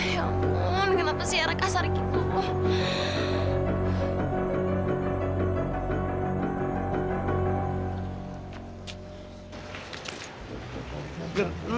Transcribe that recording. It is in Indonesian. ya allah kenapa sih erak kasar gitu